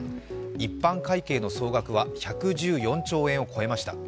一般会計の総額は１１４兆円を超えました。